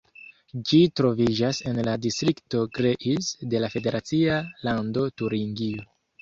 Ĝi troviĝas en la distrikto Greiz de la federacia lando Turingio.